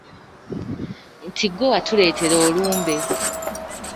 Nti ggwe watuleetera olumbe.